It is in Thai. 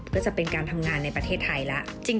ก็จะเป็นการทำงานในประเทศไทยแล้ว